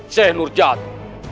seh nur jatuh